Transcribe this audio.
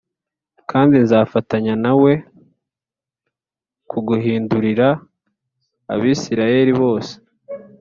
kandi nzafatanya nawe kuguhindūrira Abisirayeli bose.